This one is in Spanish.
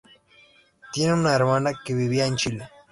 Tiene una hermana que vivía en Chile.